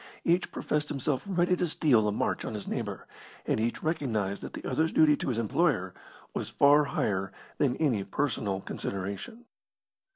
Each professed himself ready to steal a march on his neighbour, and each recognised that the other's duty to his employer was far higher than any personal consideration.